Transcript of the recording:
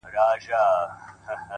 o د سترگو توره سـتــا بـلا واخلـمـه،